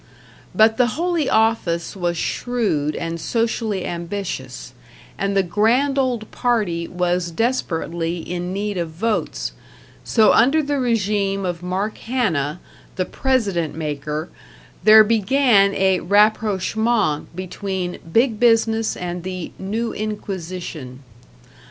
But the Holy Office was shrewd and socially ambitious, and the Grand Old Party was desperately in need of votes, so under the regime of Mark Hanna, the President Maker, there began a rapprochement between Big Business and the New Inquisition.